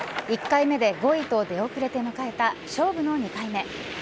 １回目で５位と出遅れて迎えた勝負の２回目。